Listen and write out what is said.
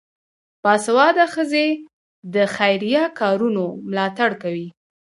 باسواده ښځې د خیریه کارونو ملاتړ کوي.